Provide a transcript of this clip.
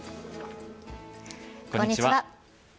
こんにちは。